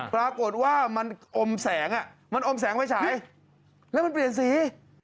ปรากฏว่ามันอมแสงไว้ฉายแล้วมันเปลี่ยนสี